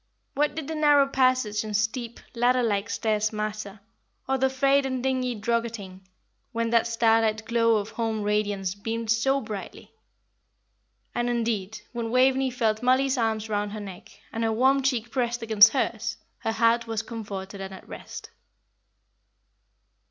What did the narrow passage and steep, ladder like stairs matter, or the frayed and dingy druggetting, when that starlight glow of home radiance beamed so brightly. And indeed, when Waveney felt Mollie's arms round her neck, and her warm cheek pressed against hers, her heart was comforted and at rest.